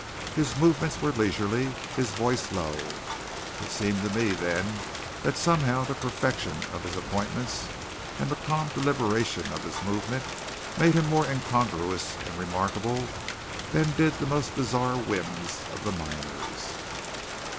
His movements were leisurely, his voice low. It seemed to me, then, that somehow the perfection of his appointments and the calm deliberation of his movement made him more incongruous and remarkable than did the most bizarre whims of the miners.